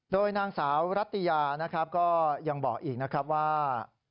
โดยนางสาวรัตติยาก็ยังบอกอีกนะครับว่า